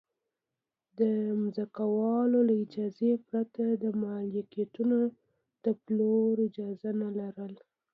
د ځمکوالو له اجازې پرته د ملکیتونو د پلور اجازه نه لرله